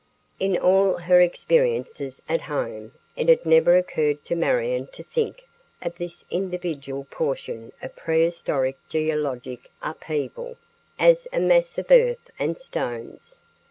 In all her experiences at home, it had never occurred to Marion to think of this individual portion of prehistoric geologic upheaval as a mass of earth and stones.